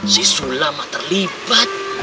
si sulamah terlibat